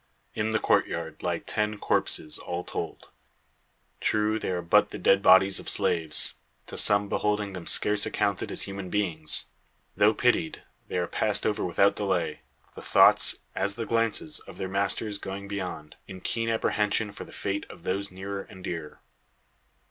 In the courtyard lie ten corpses, all told. True they are but the dead bodies of slaves to some beholding them scarce accounted as human beings. Though pitied, they are passed over without delay; the thoughts, as the glances, of their masters going beyond, in keen apprehension for the fate of those nearer and dearer.